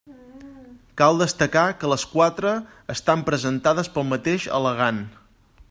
Cal destacar que les quatre estan presentades pel mateix al·legant.